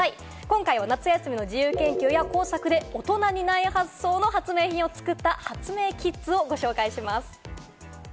今回は夏休みの自由研究や工作で、大人にはない発想の発明品を作った発明キッズをご紹介します。